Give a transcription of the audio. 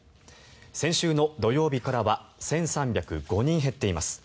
先週の土曜日からは１３０５人減っています。